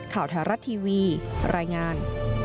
ข่าวแถวรัฐทีวีรายงาน